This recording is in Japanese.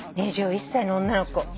２１歳の女の子。